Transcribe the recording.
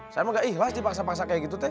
saya mau gak ikhlas dipaksa paksa kayak gitu teh